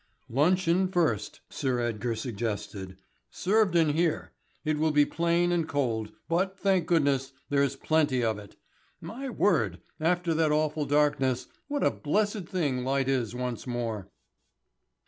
"Luncheon first," Sir Edgar suggested, "served in here. It will be plain and cold; but, thank goodness, there is plenty of it. My word, after that awful darkness what a blessed thing light is once more!"